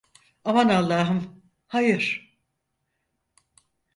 Aman Allahım, hayır!